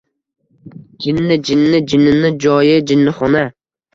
— Jinni, jinni! Jinnini joyi — jinnixona!